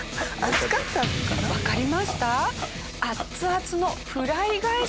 わかりました？